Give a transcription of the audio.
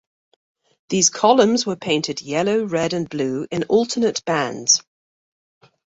These columns were painted yellow, red and blue in alternate bands.